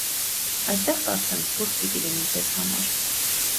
Այստեղ, կարծեմ, ցուրտ պիտի լինի ձեզ համար: